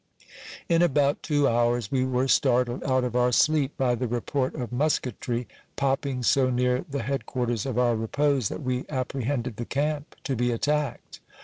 In about two hours we were startled out of our sleep by the report of mus ketry, popping so near the head quarters of our repose that we apprehended the camp to be attacked.